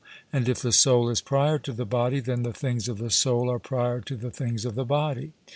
And if the soul is prior to the body, then the things of the soul are prior to the things of the body.